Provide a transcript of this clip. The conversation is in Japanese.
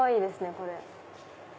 これ。